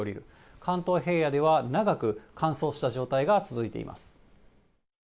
関東平野では、長く乾燥した状態が続いています。